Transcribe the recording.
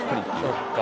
そっか。